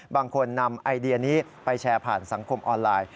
บางคนนำไอเดียนี้ไปแชร์ผ่านสังคมออนไลน์